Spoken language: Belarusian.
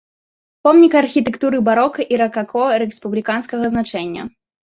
Помнік архітэктуры барока і ракако рэспубліканскага значэння.